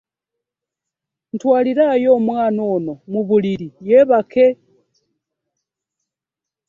Ntwalirayo omwana ono mu buliui yebake.